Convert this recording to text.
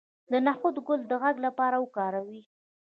د نخود ګل د غږ لپاره وکاروئ